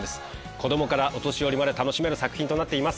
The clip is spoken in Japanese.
子供からお年寄りまで楽しめる作品となっています。